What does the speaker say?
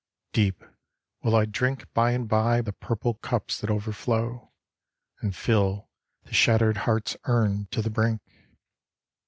Deep will I drink By'n by the purple cups that overflow, And fill the shattered heart's urn to the brink.